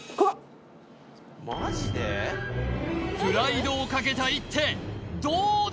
プライドをかけた一手どうだ！